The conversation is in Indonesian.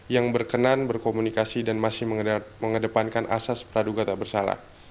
yang berkenan berkomunikasi dan masih mengenal